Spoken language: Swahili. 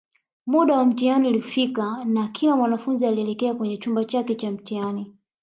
Muda wa mtihani ulifika na kila mwanafunzi alielekea kwenye chumba chake Cha mtihani